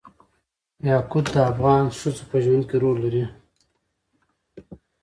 یاقوت د افغان ښځو په ژوند کې رول لري.